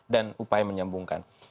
dan upaya menyambungkan